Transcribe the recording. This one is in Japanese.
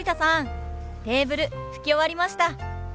テーブル拭き終わりました。